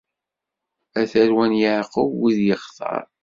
A tarwa n Yeɛqub, wid yextar!